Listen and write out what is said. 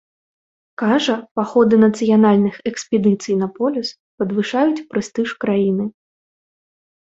Кажа, паходы нацыянальных экспедыцый на полюс падвышаюць прэстыж краіны.